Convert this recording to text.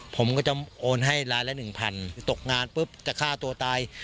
ผมก็จะโอนให้ล้านละหนึ่งพันตกงานปุ๊บจะฆ่าตัวตาย